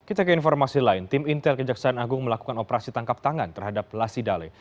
kita ke informasi lain tim intel kejaksaan agung melakukan operasi tangkap tangan terhadap lasidale